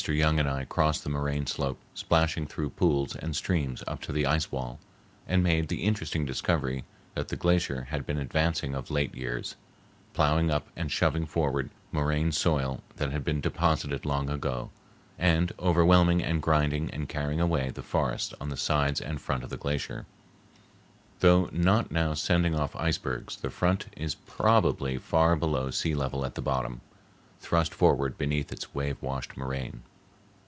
Young and I crossed the moraine slope, splashing through pools and streams up to the ice wall, and made the interesting discovery that the glacier had been advancing of late years, ploughing up and shoving forward moraine soil that had been deposited long ago, and overwhelming and grinding and carrying away the forests on the sides and front of the glacier. Though not now sending off icebergs, the front is probably far below sea level at the bottom, thrust forward beneath its wave washed moraine.